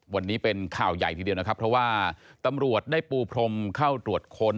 วันนี้เป็นข่าวใหญ่ทีเดียวนะครับเพราะว่าตำรวจได้ปูพรมเข้าตรวจค้น